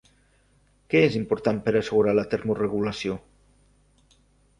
Què és important per assegurar la termoregulació?